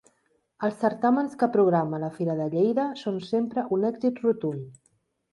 Els certàmens que programa la Fira de Lleida són sempre un èxit rotund.